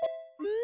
ん？